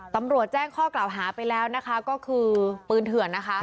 ตำรวจแจ้งข้อกล่าวหาไปแล้วนะคะก็คือปืนเถื่อนนะคะ